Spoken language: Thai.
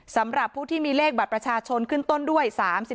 สำหรับผู้ที่มีเลขบัตรประชาชนขึ้นต้นด้วย๓๔